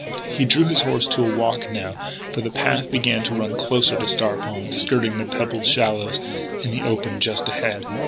He drew his horse to a walk, now, for the path began to run closer to Star Pond, skirting the pebbled shallows in the open just ahead.